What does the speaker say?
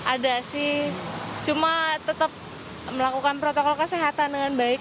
ada sih cuma tetap melakukan protokol kesehatan dengan baik